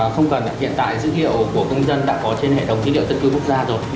không cần ạ hiện tại dữ liệu của công dân đã có trên hệ thống dữ liệu tất cứ quốc gia rồi